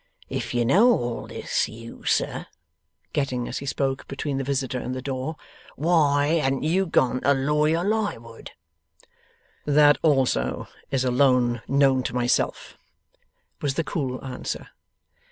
If you know all this, you sir,' getting, as he spoke, between the visitor and the door, 'why han't you gone to Lawyer Lightwood?' 'That, also, is alone known to myself,' was the cool answer.